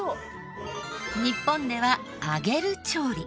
日本では揚げる調理。